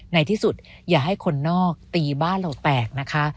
ในที่สุดอย่าให้คนนอกตีบ้านเราแตกนะคะ